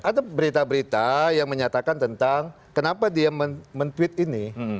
ada berita berita yang menyatakan tentang kenapa dia men tweet ini